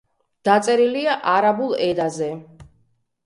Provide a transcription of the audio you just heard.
დაწერილია არაბულ ენაზე.